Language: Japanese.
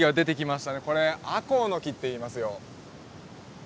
これアコウの木っていいますよ。